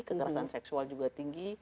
kekerasan seksual juga tinggi